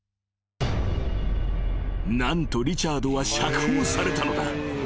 ［何とリチャードは釈放されたのだ］